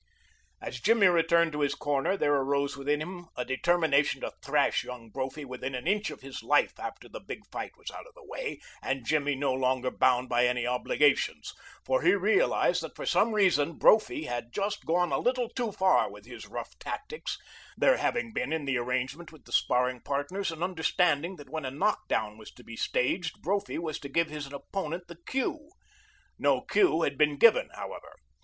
As Jimmy returned to his corner there arose within him a determination to thrash Young Brophy within an inch of his life after the big fight was out of the way and Jimmy no longer bound by any obligations, for he realized that for some reason Brophy had just gone a little too far with his rough tactics, there having been in the arrangement with the sparring partners an understanding that when a knock down was to be staged Brophy was to give his opponent the cue. No cue had been given, however.